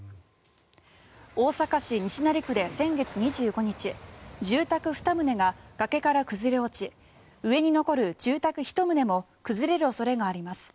大阪市西成区で先月２５日住宅２棟が崖から崩れ落ち上に残る住宅１棟も崩れる恐れがあります。